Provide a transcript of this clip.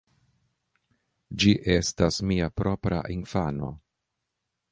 Ĝi estas mia propra infano.